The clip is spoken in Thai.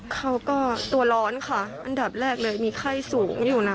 เขาก็ตัวร้อนค่ะอันดับแรกเลยมีไข้สูงอยู่นะ